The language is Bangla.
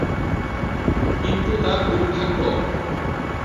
কিন্তু তার দুর্ভাগ্য।